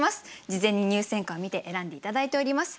事前に入選歌を見て選んで頂いております。